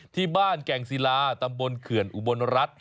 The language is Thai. ที่บ้านแก่งศิลาตำบลเขื่อนอุบลรัฐ